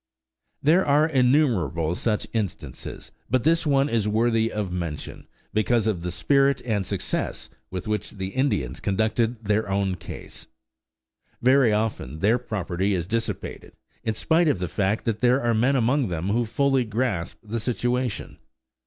There are innumerable such instances, but this one is worthy of mention because of the spirit and success with which the Indians conducted their own case. Very often their property is dissipated in spite of the fact that there are men among them who fully grasp the situation.